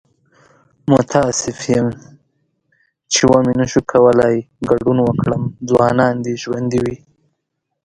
متاسف یم چې و مې نشو کولی ګډون وکړم. ځوانان دې ژوندي وي!